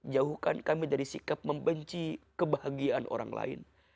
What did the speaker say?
jauhkan kami dari sikap membenci kebahagiaan orang lain